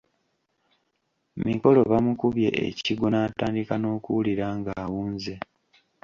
Mikolo bamukubye ekigwo n’atandika n'okuwulira ng'awunze.